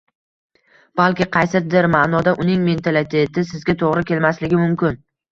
balki qaysidir maʼnoda uning mentaliteti Sizga toʻgʻri kelmasligi mumkin?